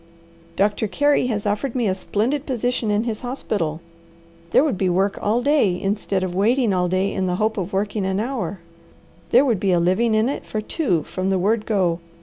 "Doctor Carey has offered me a splendid position in his hospital. There would be work all day, instead of waiting all day in the hope of working an hour. There would be a living in it for two from the word go.